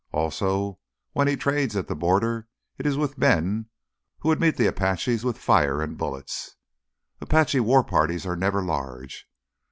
Also when he trades at the border it is with men who would meet the Apaches with fire and bullets. Apache war parties are never large.